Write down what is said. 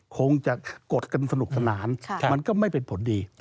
คงจะกดกันสนุกสนานมันก็ไม่เป็นผลดี